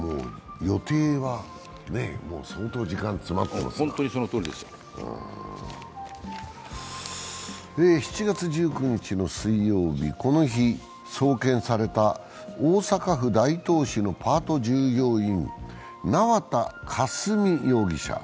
予定は相当、時間詰まってますから７月１９日の水曜日、この日送検された大阪府大東市のパート従業員・縄田佳純容疑者。